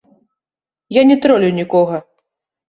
Я не тролю нікога.